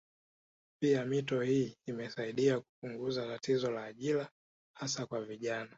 Pia mito hii imesaidia kupunguza tatizo la ajira hasa kwa vijana